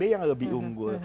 itu yang lebih unggul